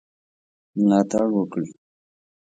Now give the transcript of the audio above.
ملاتړ وکړي.